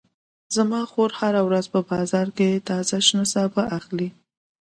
زما خور هره ورځ په بازار کې تازه شنه سابه اخلي